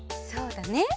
そうだね。